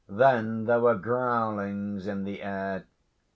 Then there were growlings in the air.